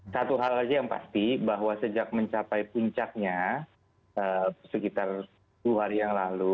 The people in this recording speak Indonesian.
satu hal saja yang pasti bahwa sejak mencapai puncaknya sekitar sepuluh hari yang lalu